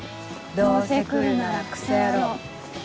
どうせ来るならクソ野郎。